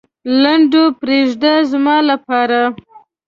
لنډو پرېږده زما لپاره.